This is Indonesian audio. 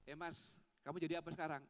eh mas kamu jadi apa sekarang